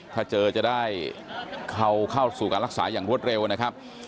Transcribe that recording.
ถ้าเจอจะได้เข้าสู่การรักษาอย่างรวดเร็วนะครับ